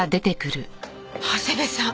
長谷部さん